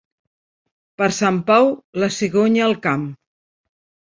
Per Sant Pau, la cigonya al camp.